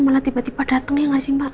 malah tiba tiba datang ya nggak sih mbak